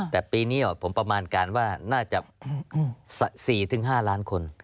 แต่ปีนี้ผมประมาณการว่าน่าจะ๔๕ล้านคน